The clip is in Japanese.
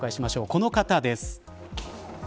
この方です。